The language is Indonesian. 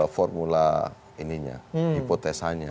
formula ininya hipotesanya